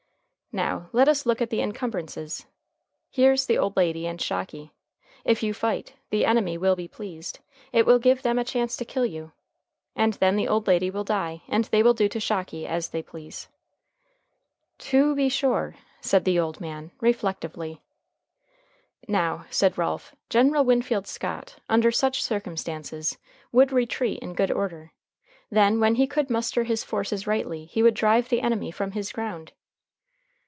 "Now let us look at the incumbrances. Here's the old lady and Shocky. If you fight, the enemy will be pleased. It will give them a chance to kill you. And then the old lady will die and they will do with Shocky as they please." "To be sure," said the old man reflectively. "Now," said Ralph, "General Winfield Scott, under such circumstances, would retreat in good order. Then, when he could muster his forces rightly, he would drive the enemy from his ground."